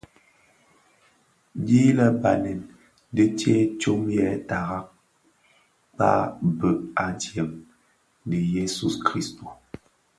Dii lè Banèn di a tsee tsom yè tara kpag a bheg adyèm dhi Jesu - Kristus.